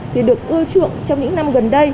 thì được ưa chuộng trong những năm gần đây